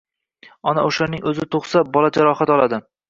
Agar onaning o`zi tug`sa, bola jarohat oladi